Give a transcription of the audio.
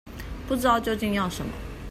不知道究竟要什麼